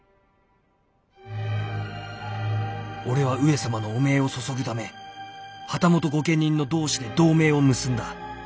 俺は上様の汚名を雪ぐため旗本御家人の同志で同盟を結んだ。